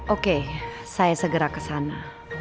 oke saya segera ke sana